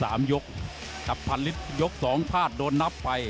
แล้วก็๓ยกกับพันฤกษ์ยก๒พลาดโดนนับไป